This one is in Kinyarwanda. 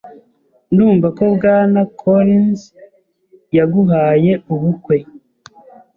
Ndumva ko Bwana Collins yaguhaye ubukwe.